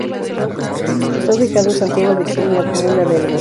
Está ubicada en Santiago de Chile, en la comuna de El Bosque.